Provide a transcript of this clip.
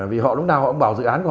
vì họ lúc nào họ cũng bảo dự án của họ